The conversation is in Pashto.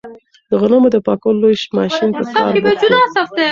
د غنمو د پاکولو لوی ماشین په کار بوخت و.